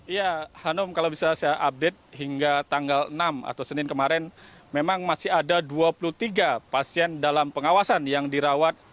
ya hanum kalau bisa saya update hingga tanggal enam atau senin kemarin memang masih ada dua puluh tiga pasien dalam pengawasan yang dirawat